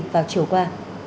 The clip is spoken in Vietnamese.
vào chiều qua